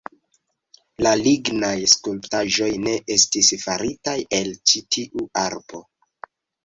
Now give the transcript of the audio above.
La lignaj skulptaĵoj ne estis faritaj el ĉi tiu arbo.